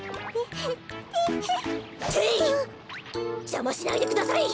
じゃましないでください。